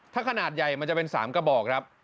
ถ้าขนาดใหญ่มันจะเป็น๓กระบอกครับ